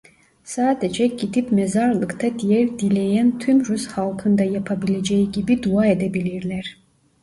Sadece gidip mezarlıkta diğer dileyen tüm Rus halkın da yapabileceği gibi dua edebilirler.